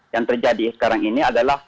yang terjadi sekarang ini adalah